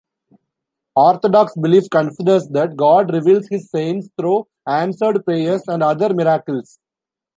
Orthodox belief considers that God reveals his saints through answered prayers and other miracles.